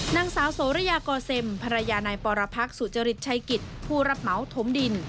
นางสาวโสระยากอเซมภรรยานายปรพักษ์สุจริตชัยกิจผู้รับเหมาถมดิน